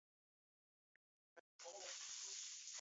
Bi djaň ya i dhufuu dhi simbèn fōlō nnë.